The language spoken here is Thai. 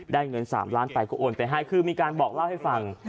เงิน๓ล้านไปก็โอนไปให้คือมีการบอกเล่าให้ฟัง